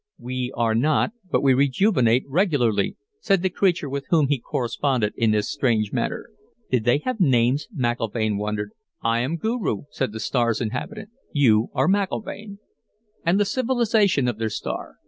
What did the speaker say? "We are not, but we rejuvenate regularly," said the creature with whom he corresponded in this strange manner. Did they have names? McIlvaine wondered. "I am Guru," said the star's inhabitant. "You are McIlvaine." And the civilization of their star?